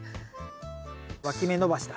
わき芽伸ばしだ。